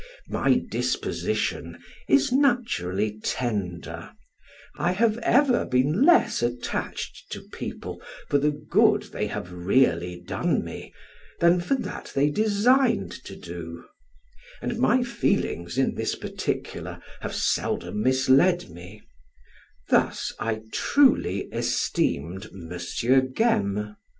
My disposition is naturally tender, I have ever been less attached to people for the good they have really done me than for that they designed to do, and my feelings in this particular have seldom misled me: thus I truly esteemed M. Gaime.